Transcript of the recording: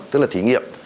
tức là thí nghiệm